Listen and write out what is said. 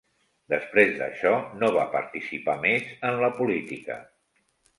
Després d'això, no va participar més en la política.